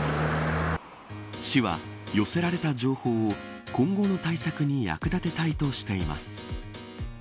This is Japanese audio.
市は、寄せられた情報を今後の対策に役立てたいとしています。